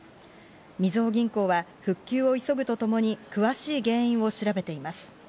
みずほ銀行は復旧を急ぐとともに、詳しい原因を調べています。